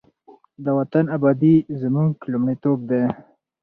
د وطن ابادي زموږ لومړیتوب دی.